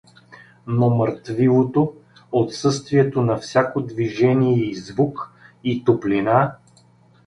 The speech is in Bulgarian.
Но мрътвилото, отсъствието на всяко движение и звук, и топлина?